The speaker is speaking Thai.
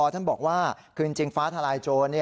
ท่านบอกว่าคือจริงฟ้าทลายโจร